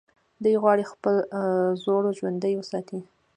دوی غواړي خپل زوړ ژوند وساتي.